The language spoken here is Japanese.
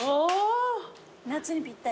夏にぴったり。